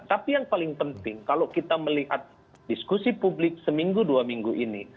tapi yang paling penting kalau kita melihat diskusi publik seminggu dua minggu ini